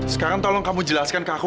sekarang tolong kamu jelaskan ke aku